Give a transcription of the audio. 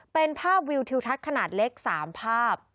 เป็นภาพวิวทิวทัศน์ขนาดเล็ก๓ภาพ